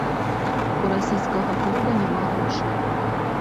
У расійскага клуба няма грошай.